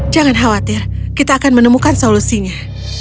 jangan khawatir kita akan menemukan solusinya